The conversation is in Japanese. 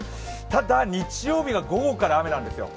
ただ、日曜日の午後から雨なんですよ。